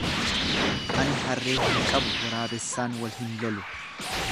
An harree hin qabu waraabessaan wal hin lolu.